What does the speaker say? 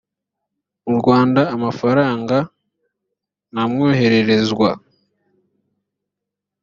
mu rwanda amafaranga ntamwohererezwa